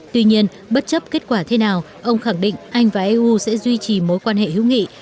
tuy nhiên bất chấp kết quả thế nào ông khẳng định anh và eu sẽ duy trì mối quan hệ hữu nghị